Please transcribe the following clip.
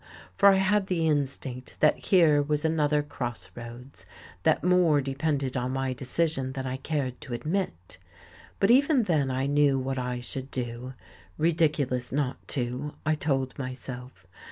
For I had the instinct that here was another cross roads, that more depended on my decision than I cared to admit. But even then I knew what I should do. Ridiculous not to I told myself.